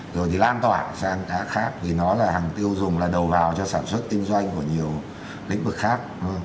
rồi thì lan tỏa sang giá khác vì nó là hàng tiêu dùng là đầu vào cho sản xuất kinh doanh của nhiều lĩnh vực khác